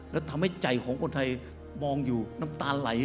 แล้วทำให้ใจของคนไทยมองอยู่น้ำตาไหล